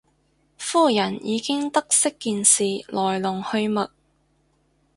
夫人已經得悉件事來龍去脈